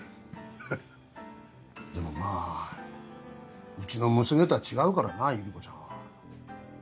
でもまぁうちの娘とは違うからなゆり子ちゃんは。